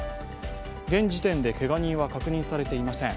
現時点でけが人は確認されていません。